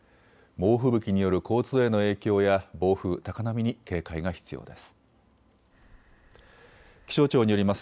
猛吹雪による交通への影響や暴風、高波に警戒が必要です。